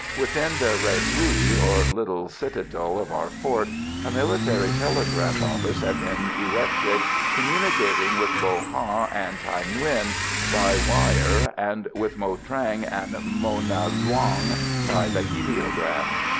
Within the réduit, or little citadel, of our fort, a military telegraph office had been erected, communicating with Bo Ha and Thaï Nguyen by wire, and with Mo Trang and Mona Luong by the heliograph.